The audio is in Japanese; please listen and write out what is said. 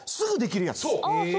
そう！